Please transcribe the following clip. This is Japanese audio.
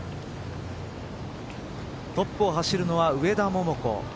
トップを走るのは上田桃子。